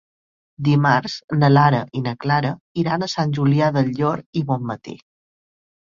Dimarts na Lara i na Clara iran a Sant Julià del Llor i Bonmatí.